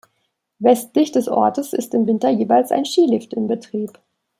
Westlich des Ortes ist im Winter jeweils ein Skilift in Betrieb.